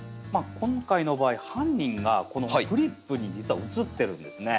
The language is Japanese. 今回の場合犯人がこのフリップに実は写ってるんですね。